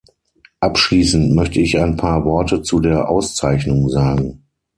Abschließend möchte ich ein paar Worte zu der Auszeichnung sagen.